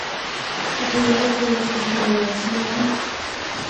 Apoyada por la Confederación de Trabajadores de Chile.